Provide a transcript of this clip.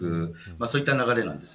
そういった流れです。